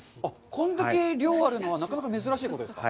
これだけ量があるのは、なかなか珍しいことですか。